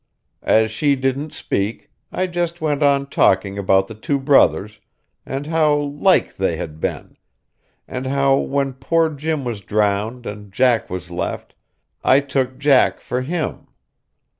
As she didn't speak, I just went on talking about the two brothers, and how like they had been, and how when poor Jim was drowned and Jack was left, I took Jack for him.